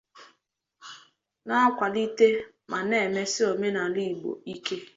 na-akwàlite ma na-emesi omenala Igbo ike.